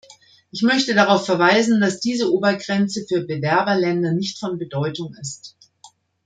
Ich möchte darauf verweisen, dass diese Obergrenze für Bewerberländer nicht von Bedeutung ist.